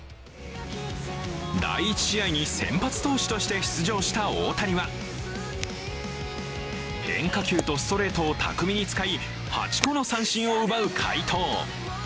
第１試合に先発投手として出場した大谷は変化球とストレートと巧みに使い８個の三振を奪う快投。